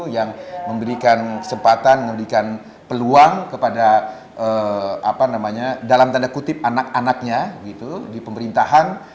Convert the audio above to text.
yang memberikan kesempatan memberikan peluang kepada dalam tanda kutip anak anaknya di pemerintahan